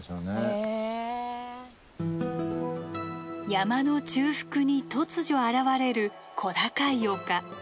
山の中腹に突如現れる小高い丘。